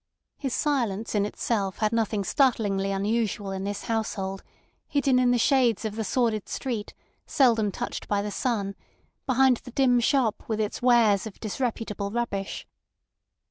His silence in itself had nothing startlingly unusual in this household, hidden in the shades of the sordid street seldom touched by the sun, behind the dim shop with its wares of disreputable rubbish.